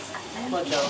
まーちゃん？